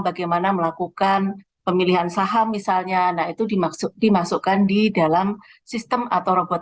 bagaimana melakukan pemilihan saham misalnya nah itu dimaksud dimasukkan di dalam sistem atau robot